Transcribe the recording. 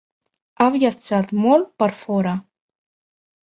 Ha viatjat molt per fora.